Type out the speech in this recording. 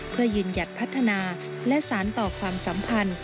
เพื่อยืนหยัดพัฒนาและสารต่อความสัมพันธ์